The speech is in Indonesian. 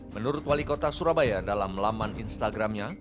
menurut wali kota surabaya dalam laman instagramnya